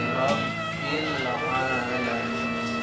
masa depan yang cemerlang